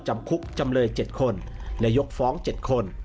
จำคุกจำเลย๗คนและยกฟ้อง๗คน